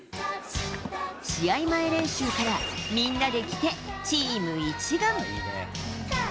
試合前練習から、みんなで着てチーム一丸。